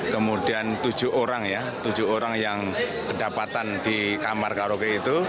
kemudian tujuh orang ya tujuh orang yang kedapatan di kamar karaoke itu